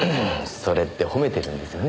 それって褒めてるんですよね？